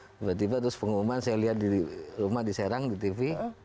tiba tiba terus pengumuman saya lihat di rumah di serang di tv